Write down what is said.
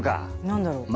何だろう？